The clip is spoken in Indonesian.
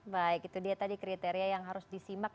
baik itu dia tadi kriteria yang harus disimak